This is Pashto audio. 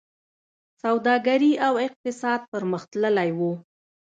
سوداګري او اقتصاد پرمختللی و